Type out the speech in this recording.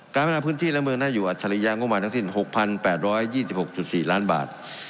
๘การพนาคมพื้นที่และเมืองหน้าอยู่อัศรียาโงงบาททั้งสิ้น๖๘๒๖๔ล้านบาท